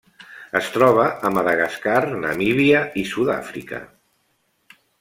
Es troba a Madagascar, Namíbia i Sud-àfrica.